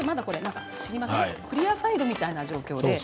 クリアファイルみたいな状況です。